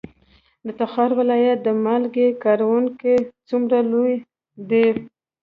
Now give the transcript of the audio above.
د تخار ولایت د مالګې کانونه څومره لوی دي؟